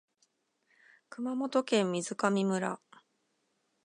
熊本県水上村